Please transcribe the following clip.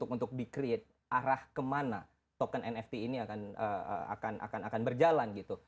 untuk di create arah kemana token nft ini akan berjalan gitu